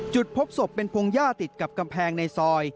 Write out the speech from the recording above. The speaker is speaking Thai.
พบศพเป็นพงหญ้าติดกับกำแพงในซอย